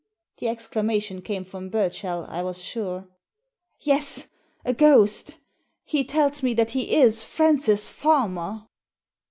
The exclamation came from Burchell, I was sure. "Yes, a ghost He tells me that he is Francis Farmer."